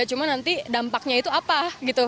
cuma nanti dampaknya itu apa gitu